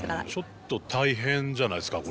ちょっと大変じゃないですかこれから。